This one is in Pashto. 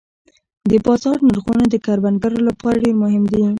د بازار نرخونه د کروندګر لپاره ډېر مهم دي.